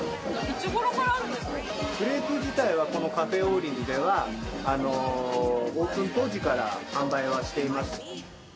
クレープ自体は、このカフェ・オーリンズでは、オープン当時から販売はしています。